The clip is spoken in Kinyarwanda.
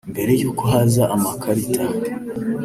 mbere y’uko haza amakarita